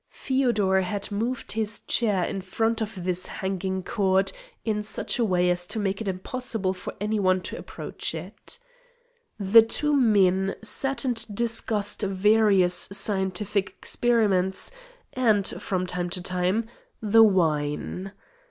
Feodor had moved his chair in front of this hanging cord in such a way as to make it impossible for any one to approach it. The two men sat and discussed various scientific experiments and, from time to time, the wine.